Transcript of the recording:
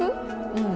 うん。